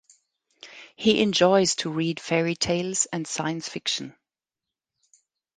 He enjoys to read fairy tales and science fiction.